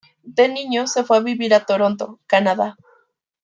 De niño se fue a vivir a Toronto, Canadá.